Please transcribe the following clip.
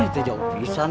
wah itu jauh pisang